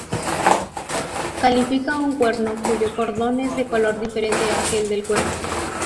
Califica un cuerno cuyo cordón es de color diferente a aquel del cuerpo.